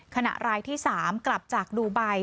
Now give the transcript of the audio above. ขณะรายที่๓กลับจากดูไบ